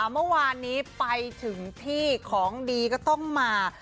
เมื่อวานนี้ไปถึงที่ของดีก็ต้องมา